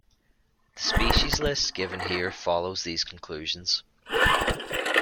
The species list given here follows these conclusions.